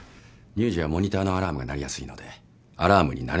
乳児はモニターのアラームが鳴りやすいのでアラームに慣れないように。